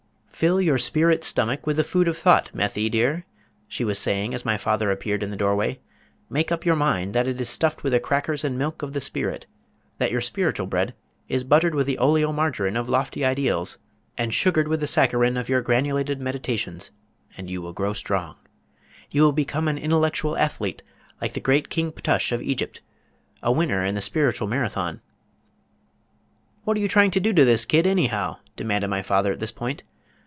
"Fill your spirit stomach with the food of thought, Methy, dear," she was saying as my father appeared in the door way. "Make up your mind that it is stuffed with the crackers and milk of the spirit; that your spiritual bread is buttered with the oleomargerine of lofty ideals, and sugared with the saccharin of your granulated meditations, and you will grow strong. You will become an intellectual athlete, like the great King Ptush of Egypt; a winner in the spiritual Marathon " "What are you trying to do with this kid, anyhow?" demanded my father at this point.